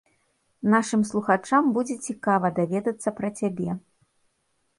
Нашым слухачам будзе цікава даведацца пра цябе.